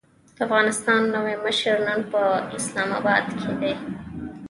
د افغانستان نوی مشر نن په اسلام اباد کې دی.